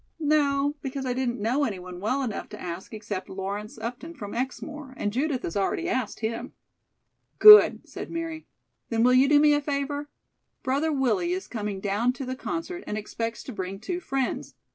"No, because I didn't know anyone well enough to ask except Lawrence Upton from Exmoor, and Judith has already asked him." "Good," said Mary. "Then, will you do me a favor? Brother Willie is coming down to the concert and expects to bring two friends.